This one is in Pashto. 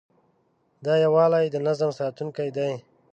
دا یووالی د نظم ساتونکی دی.